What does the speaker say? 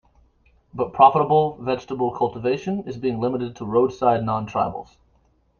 But profitable vegetable cultivation is being limited to road side non-tribals.